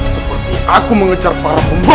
seperti aku mengejar para pembalap